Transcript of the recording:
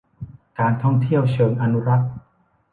การท่องเที่ยวเชิงอนุรักษ์